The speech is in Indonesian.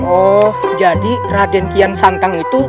oh jadi raden kian santang itu